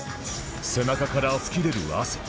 背中から噴き出る汗